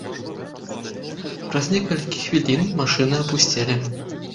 Праз некалькі хвілін машыны апусцелі.